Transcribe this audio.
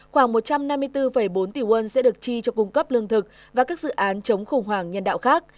khoảng một trăm năm mươi bốn bốn tỷ quân sẽ được chi cho cung cấp lương thực và các dự án chống khủng hoảng nhân đạo khác